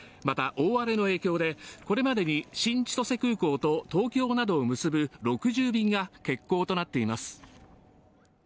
また、大荒れの影響でこれまでに新千歳空港と東京などを結ぶ６０便が欠航となっています。